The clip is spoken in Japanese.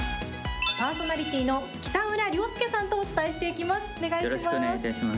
パーソナリティーの北村玲亮さんとお伝えしていきます。